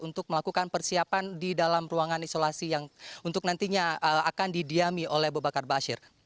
untuk melakukan persiapan di dalam ruangan isolasi yang untuk nantinya akan didiami oleh abu bakar ⁇ asyir ⁇